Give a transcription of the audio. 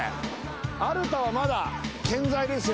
アルタはまだ健在ですよ。